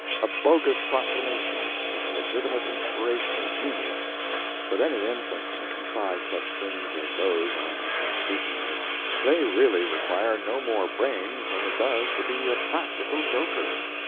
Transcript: A "Bogus Proclamation" is a legitimate inspiration of genius, but any infant can contrive such things as those I have been speaking of. They really require no more brains than it does to be a "practical joker."